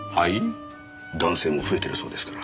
男性も増えてるそうですから。